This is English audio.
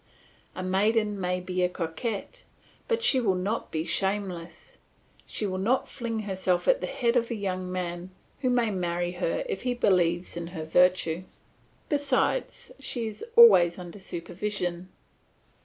A maiden may be a coquette, but she will not be shameless, she will not fling herself at the head of a young man who may marry her if he believes in her virtue; besides she is always under supervision.